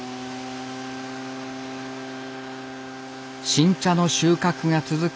新茶の収穫が続く